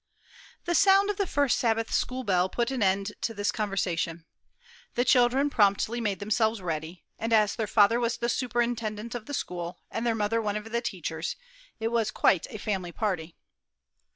The sound of the first Sabbath school bell put an end to this conversation. The children promptly made themselves ready, and as their father was the superintendent of the school, and their mother one of the teachers, it was quite a family party.